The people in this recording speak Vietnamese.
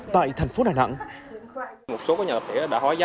một số nhà tập thể đã hóa giá